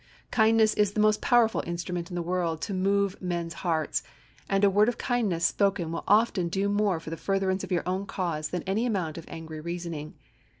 Kindness is the most powerful instrument in the world to move men's hearts, and a word in kindness spoken will often do more for the furtherance of your cause than any amount of angry reasoning.